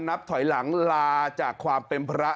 นับถอยหลังลาจากความเป็นพระ